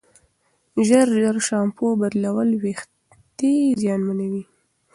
ژر ژر شامپو بدلول وېښتې زیانمنوي.